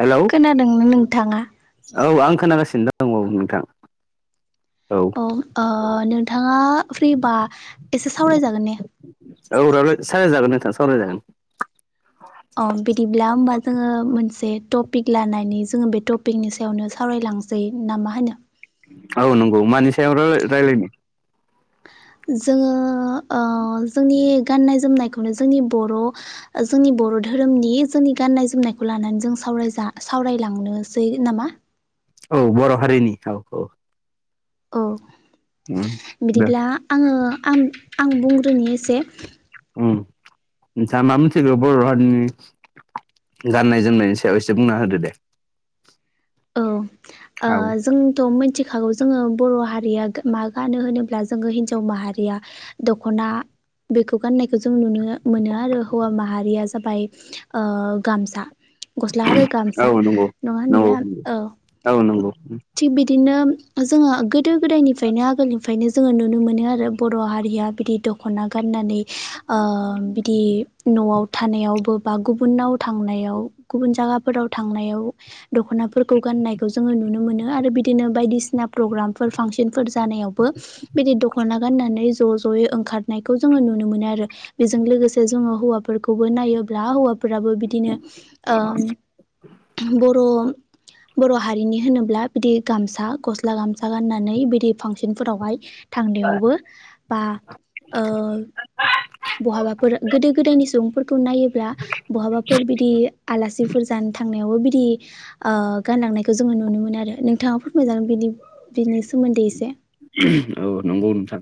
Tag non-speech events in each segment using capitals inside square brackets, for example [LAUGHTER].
Hello खोनादोंनो नोंथाङा? औ आं खोनागासिनो दं औ नोंथां औ ओ नोंथाङा फ्रिबा एसे सावरायजागोन ने? औ रावले सावरायाय जागोन नोंथां सावरायजागोन अ बिदिब्ला होमबा जोङो मोनसे टपिक लानानै जोङो बे टपिकनि सायावनो सावरायलां सै नामाहोनो? औ नंगौ मानि सायाव राय रायलायनो जोङो ओ जोंनि गाननाय जोमनायखौनो जोंनि बर' जोंनि बर' धोरोमनि जोंनि गाननाय जोमनायखौ लानानै जों सावरायजा सावरायलांनोसै नामा? औ बर' हारिनि औ औ औ उम दे बिदिब्ला आङो आम आं बुंग्रोनि एसे उम नोंथांआ मा मिथिगो बर' हारिनि गाननाय-जोमनायनि सायाव एसे बुंना होदो दे। औ ओ औ जोंथ' मिथिख खागौ जोङो बर' हारिया गो मा गानो होनोब्ला जोङो हिनजाव माहारिया दख'ना बेखौ गाननायखौ जों नुनो मोनो आरो हौवा माहारिया जाबाय ओ गामसा गस्ला आरो औ गामसा नंगौ नङा नंगौ होनब्ला औ औ नंगौ उम थिग बिदिनो जोङो गोदो गोदायनिफ्रायनो आगोलनिफ्रायनो जोङो नुनो मोनो आरो बर' हारिया बिदि द ख'ना गाननानै ओ बिदि न'आव थानायावबो बा गुबुनाव थांनायाव गुबुन जायगाफोराव थांनायाव दख'नाफोरखौ गाननायखौ जोङो नुनो मोनो आरो बिदिनो बायदिसिना प्रग्रामफोर फांसनफोर जानायावबो बिदि दख'ना गाननानै ज' ज'यै ओंखारनायखौ जोङो नुनो मोनो आरो। बेजों लोगोसे जोङो हौवाफोरखौबो नायोब्ला हौवा फोराबो बिदिनो ओ बर' बर' हारिनि होनोब्ला बिदि गामसा गस्ला गामसा गाननानै बिदि फांसनफोरावहाय थांनायावबो बा ओ बहाबाफोर गोदो गोदायनि सुबुंफोर खौ नायोब्ला बहाबाफोर बिदि आलासि फोरजानो थांनायावबो बिदि ओ गानलांनायखौ जोङो नुनो मोनो आरो नोंथाङाफोर मोजां बिदि बिनि सोमोन्दै एसे। औ नंगौ नोंथां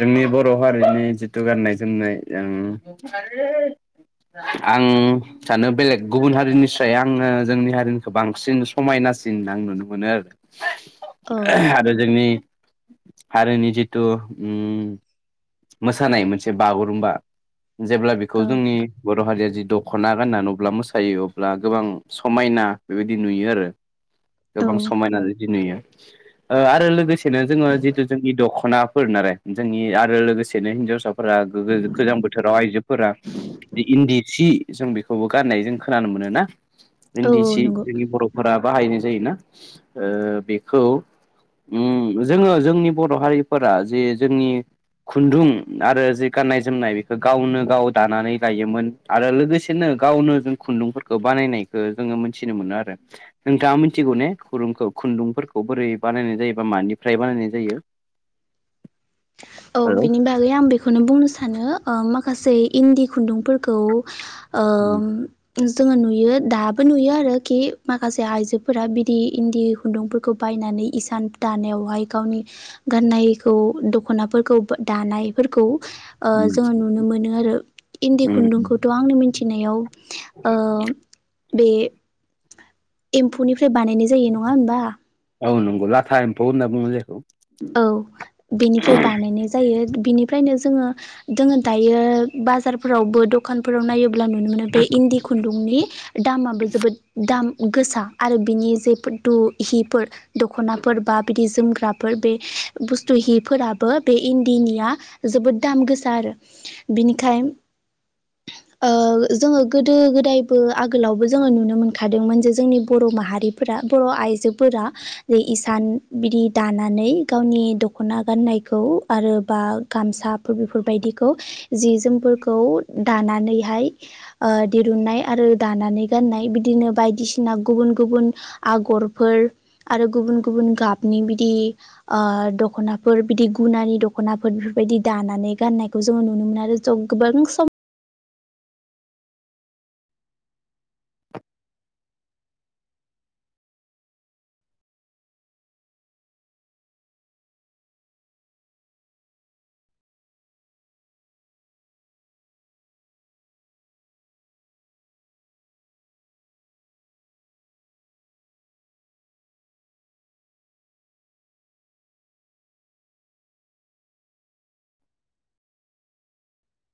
जोंनि बर' हारिनि जिथु गाननाय जोमनाय आं आं सानो बेलेग गुबुन हारिनि साय आङो जोंनि हारिनिखौ बांसिन समायनासिन आं नुनो मोनो आरो [INAUDIBLE] ओरो जोंनि हारिनि जिथु ओम मोसानाय मोनसे बागुरुमबा जेब्ला बेखौ औ जोंनि बर' हारिया जि दख'ना गाननानै अब्ला मोसायो अब्ला गोबां समायना बेबायदि नुयो आरो। औ गोबां समायना जुदि नुयो। [INAUDIBLE] ओ आरो लोगोसेनो जोङो जितु जोंनि दख'नाफोर नालाय जोंनि आरो लोगोसेनो हिनजावसाफोरा गो गोजां बोथोराव आइजोफोरा इन्दि सि जों बेखौबो गाननाय जों खोनानो मोनो ना। औ इन्दि सि नंगौ जोंनि बर'फोरा बाहायनाय जायोना ओ बेखौ [INAUDIBLE] उम जोङो जोंनि बर' हारिफोरा जे जोंनि खुन्दुं आरो जि गाननाय जोमनाय बेखौ गावनो गाव दानानै लायोमोन। आरो लोगोसेनो गावनो जों खुन्दुंफोरखौ बानायनायखौ जोङो मोनथिनो मोनो आरो। नोंथाङा मिथिगौ ने खुरुंखौ खुन्दुंफोरखौ खौ बोरै बानायनाय जायोबा मानिफ्राय बानायनाय जायो? औ हेल' बिनि बा बागै आं बेखौनो बुंनो सानो ओ माखासे इन्दि खुन्दुंफोरखौ ओम जोङो नुयो दाबो नुयो आरोखि माखासे आइजोफोरा बिदि इन्दि खुन्दुंफोरखौ बायनानै इसान दानायावहाय गावनि गाननायखौ द ख'नाफोरखौ दानायफोरखौ ओ उम जोङो नुनो मोनो आरो। इन्दि उम खुन्दुंखौथ' आं मिथिनायाव ओ बे एम्फौनिफ्राय बानायनाय जायो नङा होमबा। औ नंगौ लाथा एम्फौ होनना बुङो जायखौ औ बेनिफ्राय बानायनाय जायो बिनिफ्रायनो जोङो जोङो दायो बाजारफोरावबो दखानफोराव नायोब्ला नुनो मोनो बे इन्दि खुन्दुंनि दामाबो जोबोद दाम गोसा आरो बिनि जे फुदु हिफोर दख'नाफोर बा बिदि जोमग्रा बे बुस्थु हिफोराबो बे इन्दिनिया जोबोद दाम गोसा आरो। बिनिखाय ओ जोङो गोदो गोदायबो आगोलावबो जोङो नुनो मोनखादोंमोन जे जोंनि बर' माहारि फोर बर' आइजोफोरा इसान बिदि दानानै गावनि दख'ना गाननायखौ आरो बा गामसाफोर बेफोरबायदिखौ जि जोमफोरखौ दानानैहाय ओ दिरुननाय आरो दानानै गाननाय बिदिनो बायदिसिना गुबुन गुबुन आगरफोर आरो गुबुन गुबुन गाबनि बिदि ओ दख'नाफोर बिदि गुनानि दख'नाफोर बेफोरबायदि दानानै गाननायखौ जोङो नुनो मोनो आरो ज गोबां सम